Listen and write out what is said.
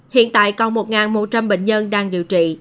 hiện tại còn một một trăm linh bệnh nhân đang điều trị